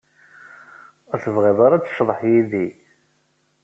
Ur tebɣi ara ad tecḍeḥ yid-i.